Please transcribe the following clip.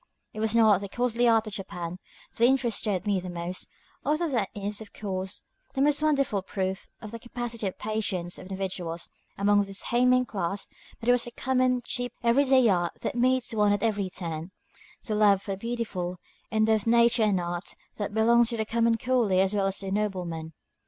It was not the costly art of Japan that interested me the most, although that is, of course, the most wonderful proof of the capacity and patience of individuals among this héimin class: but it was the common, cheap, every day art that meets one at every turn; the love for the beautiful, in both nature and art, that belongs to the common coolie as well as to the nobleman.